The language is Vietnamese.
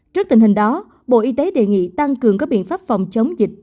trước tình hình đó bộ y tế đề nghị tăng cường các biện pháp phòng chống dịch